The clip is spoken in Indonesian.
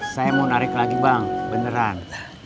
saya mau narik lagi bang beneran